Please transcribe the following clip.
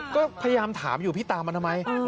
ก็พยายามถามอยู่พี่ตามมาทำไม